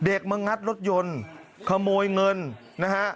มางัดรถยนต์ขโมยเงินนะฮะ